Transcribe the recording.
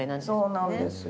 そうなんですよ